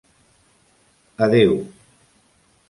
Adeu.